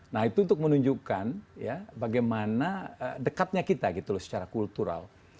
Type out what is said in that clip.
nah itu untuk menunjukkan ya bagaimana dekatnya kita gitu loh secara kultural